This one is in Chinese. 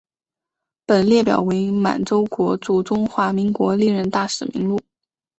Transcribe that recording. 本列表为满洲国驻中华民国历任大使名录。